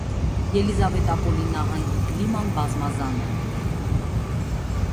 Ելիզավետպոլի նահանգի կլիման բազմազան է։